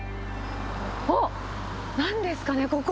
あっ、なんですかね、ここ。